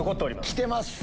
来てます！